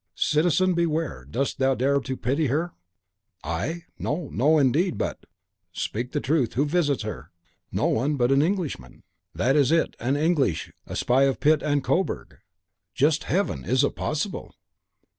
"Citizen, beware! Dost thou dare to pity her?" "I? No, no, indeed. But " "Speak the truth! Who visits her?" "No one but an Englishman." "That is it, an Englishman, a spy of Pitt and Coburg." "Just Heaven! is it possible?"